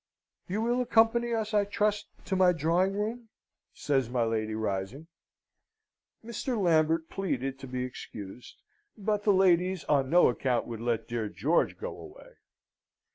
"You will accompany us, I trust, to my drawing room?" says my lady, rising. Mr. Lambert pleaded to be excused; but the ladies on no account would let dear George go away.